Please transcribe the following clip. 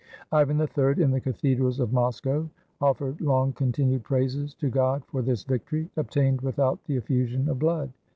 Ivan III, in the cathedrals of Moscow, offered long continued praises to God for this victory, obtained with out the effusion of blood.